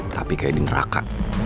tapi kayak di neraka